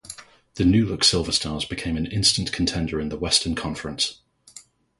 The new-look Silver Stars became an instant contender in the Western Conference.